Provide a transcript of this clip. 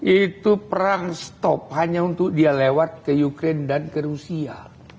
itu perang stop hanya untuk dia lewat ke ukraine dan ke rusia